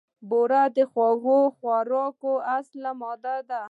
بوره د خوږو خوراکونو اصلي ماده ده.